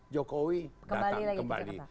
jokowi datang kembali